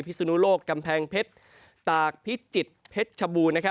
สุนุโลกกำแพงเพชรตากพิจิตรเพชรชบูรณ์